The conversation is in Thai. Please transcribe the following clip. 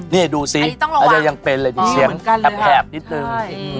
นี่ดูสิอันนี้ยังเป็นเลยนี่เสียงแปบนิดนึง